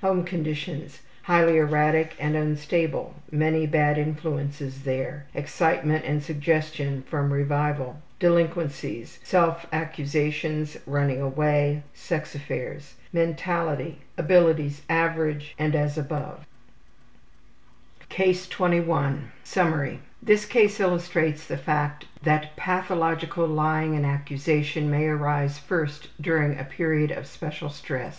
Home conditions: Highly erratic and unstable. Many bad influences there. Excitement and suggestion from revival. Delinquencies: Mentality: Self accusations. Abilities irregular, Running away. and as above. Sex affairs. CASE 21 Summary: This case illustrates the fact that pathological lying and accusation may arise first during a period of special stress.